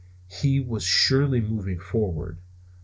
He was surely moving forward.